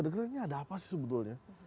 deg degan ini ada apa sih sebetulnya